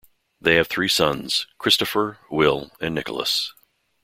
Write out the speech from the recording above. They have three sons: Christopher, Will, and Nicholas.